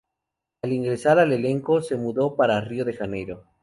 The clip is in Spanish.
Al ingresar al elenco, se mudó para Rio de Janeiro.